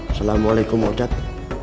assalamualaikum pak ustadz